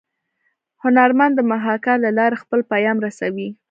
هنرمن د محاکات له لارې خپل پیام رسوي